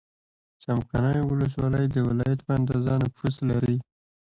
څمکنیو ولسوالۍ د ولایت په اندازه نفوس لري.